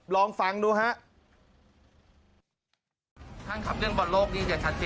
ลองฟังดูฮะ